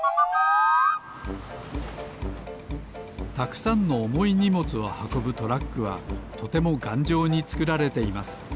たくさんのおもいにもつをはこぶトラックはとてもがんじょうにつくられています。